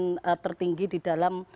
kewanangan tertinggi di dalam